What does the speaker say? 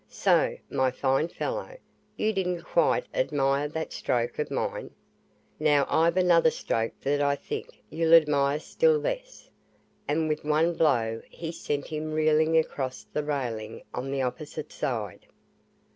"So, my fine fellow, you didn't quite admire that stroke of mine. Now, I've another stroke that I think you'll admire still less," and with one blow he sent him reeling against the railing on the opposite side.